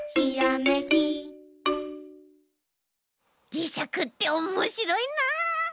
じしゃくっておもしろいな。